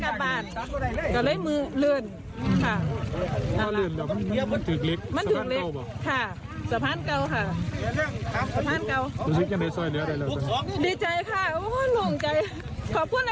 ขอบคุณหลายขอบคุณทุกคน